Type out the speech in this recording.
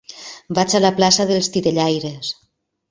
Vaig a la plaça dels Titellaires.